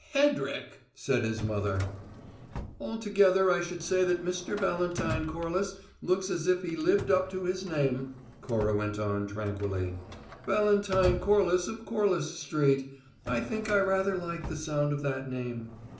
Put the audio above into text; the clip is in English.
"Hedrick!" said his mother. "Altogether I should say that Mr. Valentine Corliss looks as if he lived up to his name," Cora went on tranquilly. "Valentine Corliss of Corliss Street I think I rather like the sound of that name."